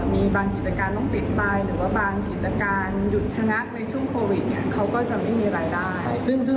มีหลายครอบครัวที่พร้อมจะหยุดยื่น